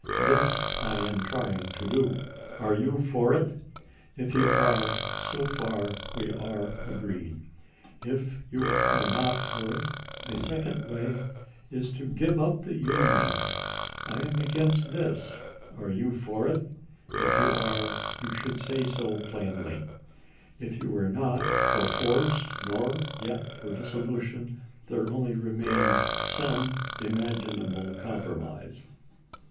This I am trying to do. Are you for it ? If you are, so far we are agreed. If you are not THE DEFEAT OF THE PEACE PARTY AT THE POLLS 381 for it, a second way is to give up the Union. I am against ch. xm. this. Are you for it ? If you are, you should say so plainly. If you are not for force, nor yet for dissolution, there only remains some imaginable compromise.